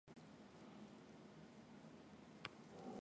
チュニドラで満たされる毎日